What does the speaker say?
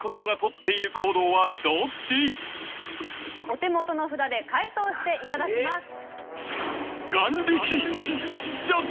お手元の札で解答していただきます。